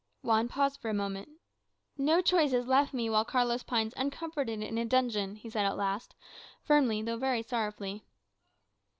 Juan paused for a moment. "No choice is left me while Carlos pines uncomforted in a dungeon," he said at last, firmly, though very sorrowfully.